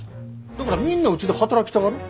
だからみんなうちで働きたがる。